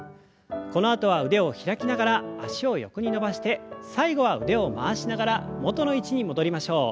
このあとは腕を開きながら脚を横に伸ばして最後は腕を回しながら元の位置に戻りましょう。